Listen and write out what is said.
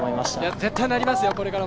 絶対なりますよ、これからも。